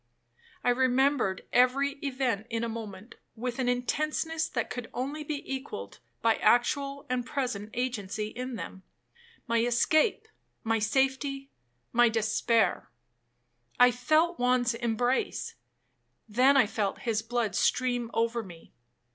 I remembered every event in a moment, with an intenseness that could only be equalled by actual and present agency in them,—my escape,—my safety,—my despair. I felt Juan's embrace,—then I felt his blood stream over me.